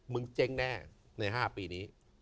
เจ๊งแน่ใน๕ปีนี้